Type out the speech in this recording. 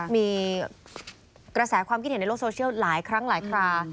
มีกระแสความคิดเห็นในโลกโซเชียลหลายครั้งหลายครา